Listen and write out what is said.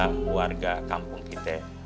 keluarga kampung kita